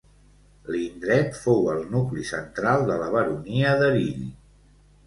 L'indret fou el nucli central de la baronia d'Erill.